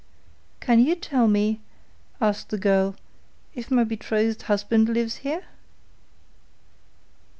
'Can you tell me,' asked the girl, 'if my betrothed husband lives here?